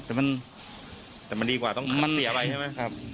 แต่มันดีกว่าต้องขัดเสียไปใช่ไหม